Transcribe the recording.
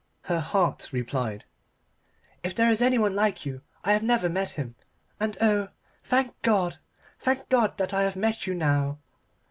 Her heart replied "If there is anyone like you I have never met him, and oh, thank God, thank God, that I have met you now."